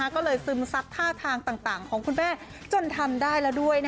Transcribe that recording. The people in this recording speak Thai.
ก็เลยซึมซับท่าทางต่างของคุณแม่จนทำได้แล้วด้วย